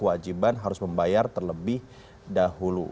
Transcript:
kewajiban harus membayar terlebih dahulu